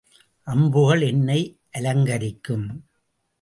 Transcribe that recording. அம்புகள் என்னை அலங்கரிக்கும்.